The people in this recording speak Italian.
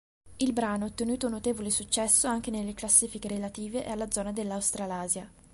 Il brano ha ottenuto un notevole successo anche nelle classifiche relative alla zona dell'Australasia.